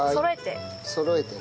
そろえて。